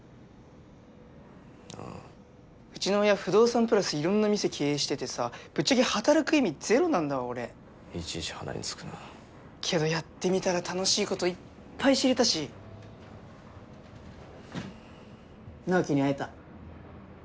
あぁうちの親不動産プラス色んな店経営しててさぶっちゃけ働く意味ゼロなんだわ俺いちいち鼻につくなけどやってみたら楽しいこといっぱい知れたし直己に会えた